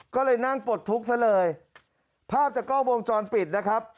ก็เลยนั่งปลดทุกข์ซะเลยภาพจากกล้องวงจรปิดนะครับ